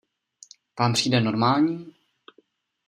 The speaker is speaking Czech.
Vám přijde normální?